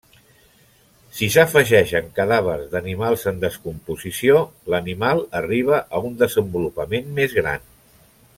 Si s'afegeixen cadàvers d'animals en descomposició, l'animal arriba a un desenvolupament més gran.